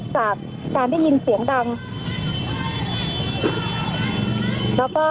จากการได้ยินเสียงดัง